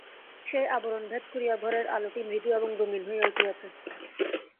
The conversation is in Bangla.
সেই আবরণ ভেদ করিয়া ঘরের আলোটি মৃদু এবং রঙিন হইয়া উঠিয়াছে।